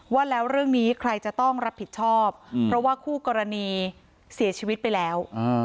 ว่าแล้วเรื่องนี้ใครจะต้องรับผิดชอบเพราะว่าคู่กรณีเสียชีวิตไปแล้ว